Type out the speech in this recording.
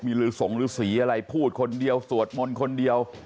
มีฤสงฤษีอะไรพูดคนเดียวสวดมนต์คนเดียว